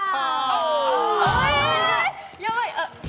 やばい！